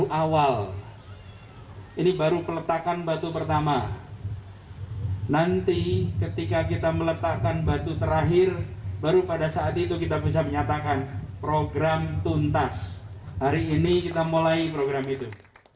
selain itu plt kepala dinas perumahan rakyat dam kawasan permukiman dki jakarta sarjoko menargetkan bahwa pembangunan kampung akuarium ini akan selesai pada desember dua ribu dua puluh satu